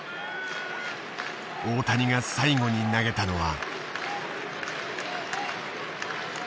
大谷が最後に投げたのは。